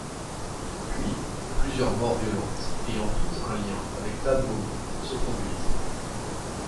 Puis, plusieurs morts violentes ayant toutes un lien avec Thad Beaumont se produisent.